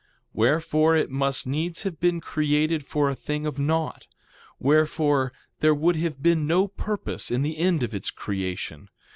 2:12 Wherefore, it must needs have been created for a thing of naught; wherefore there would have been no purpose in the end of its creation.